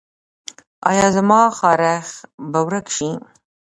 ایا زما خارښ به ورک شي؟